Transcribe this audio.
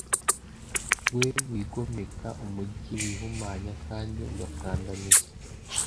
we wigomeka umugi wihumanya kandi ugakandamiza